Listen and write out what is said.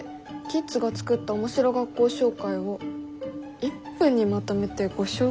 キッズが作った面白学校紹介を１分にまとめてご紹介」？